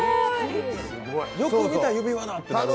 よく見たら指輪だって。